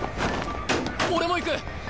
俺も行く！